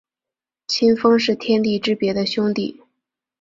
清风是天地之别的兄弟。